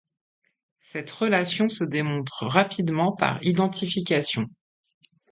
Cette relation se démontre rapidement par identification.